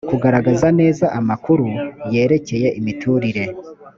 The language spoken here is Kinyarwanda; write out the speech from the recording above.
kugaragaza neza amakuru yerekeye imiturire